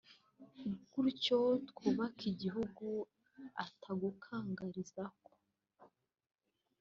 gurtyo twubake igihugu atagukangarizako ;